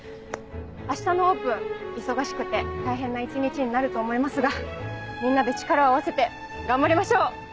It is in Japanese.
明日のオープン忙しくて大変な一日になると思いますがみんなで力を合わせて頑張りましょう！